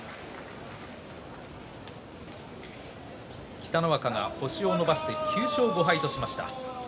北の若が星を伸ばして９勝５敗としました。